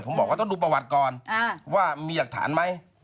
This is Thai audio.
ผมบอกต้องดูประวัติก่อนว่ามีเอกสารไหม